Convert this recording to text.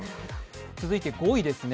続いて５位です。